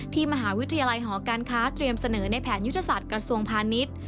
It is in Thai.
มหาวิทยาลัยหอการค้าเตรียมเสนอในแผนยุทธศาสตร์กระทรวงพาณิชย์